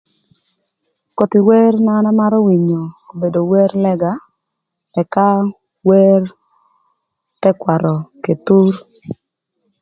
Koth wer na an amarö winyo obedo wer lëga, ëka wer thëkwarö k'Ethur.